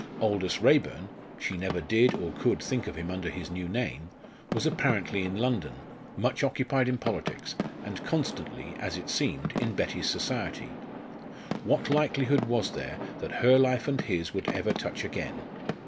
Aldous Raeburn she never did or could think of him under his new name was apparently in London, much occupied in politics, and constantly, as it seemed, in Betty's society. What likelihood was there that her life and his would ever touch again?